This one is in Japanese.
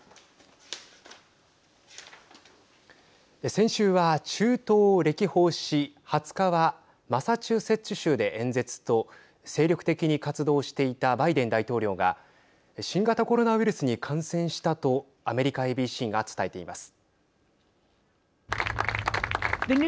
先週は中東を歴訪し２０日はマサチューセッツ州で演説と精力的に活動していたバイデン大統領が新型コロナウイルスに感染したとアメリカＡＢＣが伝えています。